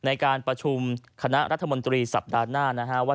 ในการประชุมคณะรัฐมนตรีสัปดาห์หน้านะฮะว่า